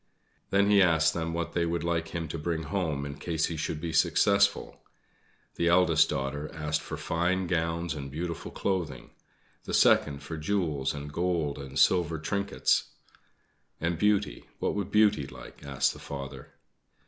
Then he asked them what they would like him to bring them home in case he should be successful. The eldest daughter asked for fine gowns and beautiful clothing; the second for jewels and gold and silver trinkets. "And Beauty what would Beauty like?" asked the father.